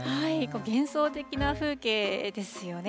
幻想的な風景ですよね。